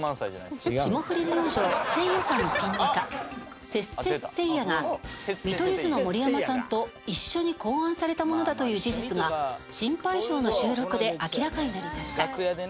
霜降り明星せいやさんのピンネタ「せっせっせいや」が見取り図の盛山さんと一緒に考案されたものだという事実が『シンパイ賞！！』の収録で明らかになりました。